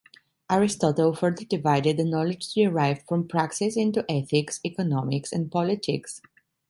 Aristotle further divided the knowledge derived from praxis into ethics, economics and politics.